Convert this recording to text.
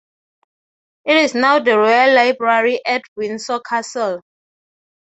It is now in the Royal Library at Windsor Castle.